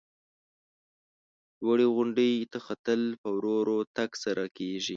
لوړې غونډۍ ته ختل په ورو ورو تگ سره کیږي.